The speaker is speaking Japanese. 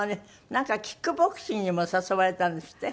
なんかキックボクシングにも誘われたんですって？